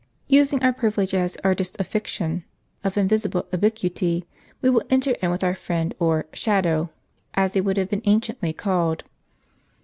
Using our privilege as "artists of fiction," of invisible ubiquity, we will enter in with our friend, or " shadow," as he would have been anciently called.